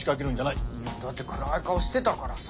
いやだって暗い顔してたからさ。